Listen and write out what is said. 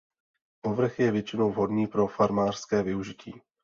Povrch je většinou vhodný pro farmářské využití.